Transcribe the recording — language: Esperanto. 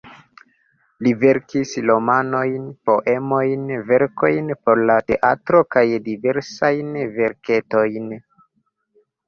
Li verkis romanojn, poemojn, verkojn por la teatro kaj diversajn verketojn.